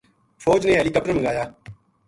فوج نے ہیلی کاپٹر منگایا